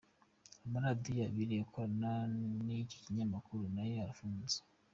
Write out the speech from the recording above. Amaradiyo abiri akorana n’icyo kinyamakuru nayo arafunze.